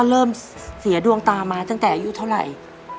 เริ่มเสียดวงตามาตั้งแต่อายุเท่าไหร่